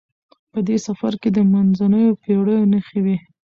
په دې سفر کې د منځنیو پیړیو نښې وې.